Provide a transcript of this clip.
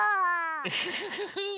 ウフフフフ。